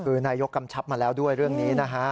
คือนายกกำชับมาแล้วด้วยเรื่องนี้นะฮะ